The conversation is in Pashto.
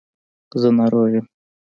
زه ناروغ یم.